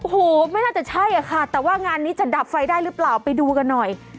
โอ้โหไม่น่าจะใช่อะค่ะแต่ว่างานนี้จะดับไฟได้หรือเปล่าไปดูกันหน่อย